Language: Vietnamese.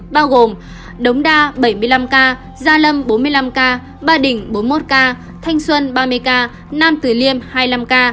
bao gồm đống đa bảy mươi năm ca gia lâm bốn mươi năm ca ba đình bốn mươi một ca thanh xuân ba mươi ca nam tử liêm hai mươi năm ca